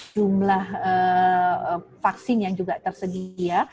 jumlah vaksin yang juga tersedia